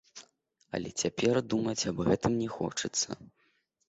Але цяпер думаць аб гэтым не хочацца.